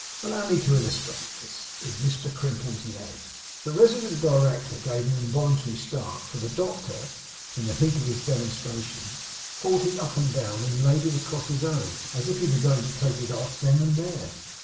Allow me to illustrate this. In Mr Crimple's leg ' The resident Director gave an involuntary start, for the doctor, in the heat of his demonstration, caught it up and laid it across his own, as if he were going to take it off, then and there.